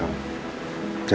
ya ke kamarnya